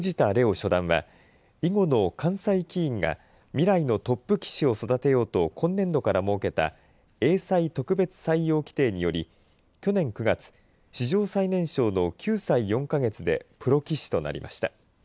初段は囲碁の関西棋院が未来のトップ棋士を育てようと今年度から設けた英才特別採用規定により去年９月史上最年少の９歳４か月でプロ棋士となりました。